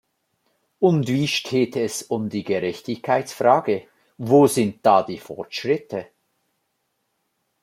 Und wie steht es um die Gerechtigkeitsfrage, wo sind da die Fortschritte?